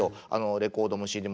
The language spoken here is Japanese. レコードもＣＤも。